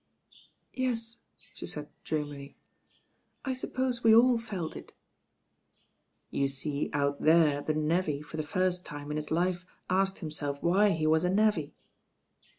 "Yes," she said dreamily, "I suppose we all felt ti It. "You see out there the navvy for the first time in his life asked himself why he was a navvy."